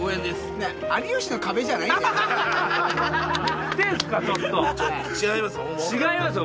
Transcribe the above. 有吉の壁じゃないんだよ。